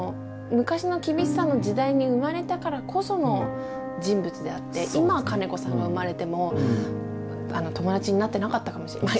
昔の厳しさの時代に生まれたからこその人物であって今金子さんが生まれても友達になってなかったかもしれない。